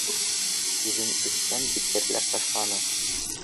Үҙен эстән битәрләп ташланы